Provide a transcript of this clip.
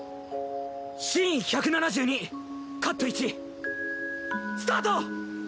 シーン１７２カット１スタート！